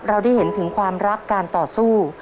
เราได้เห็นถึงความรักการต่อสู้